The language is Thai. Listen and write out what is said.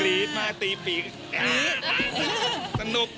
กรี๊ดมากตีปีกสนุก